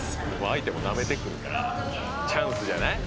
相手もなめてくるからチャンスじゃない？